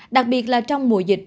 đặc biệt là trong mùa dịch